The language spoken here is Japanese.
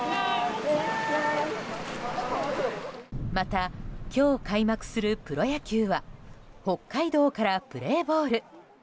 また、今日開幕するプロ野球は北海道からプレーボール。